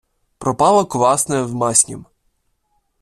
Пропало квасне в маснім.